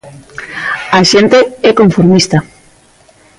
A xente é conformista.